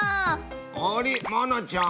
あれ愛菜ちゃん。